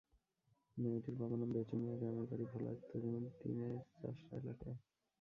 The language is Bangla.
মেয়েটির বাবার নাম বেচু মিয়া, গ্রামের বাড়ি ভোলার তজুমুদ্দিনের চাষড়া এলাকায়।